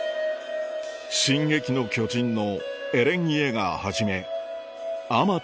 『進撃の巨人』のエレン・イェーガーはじめあまた